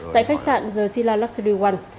tại khách sạn gersila luxury one